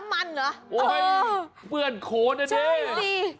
ไม่อลคตอ่ะเนี่ยใช่ใช่